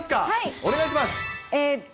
お願いします。